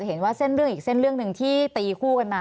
เห็นว่าเส้นเรื่องอีกเส้นเรื่องหนึ่งที่ตีคู่กันมา